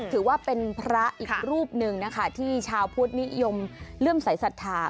ถือว่าเป็นพระอีกรูปนึงที่ชาวพุทธนิยมเริ่มใส่ศรัทธา